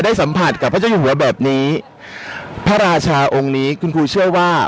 สัมผัสกับพระเจ้าอยู่หัวแบบนี้พระราชาองค์นี้คุณครูเชื่อว่า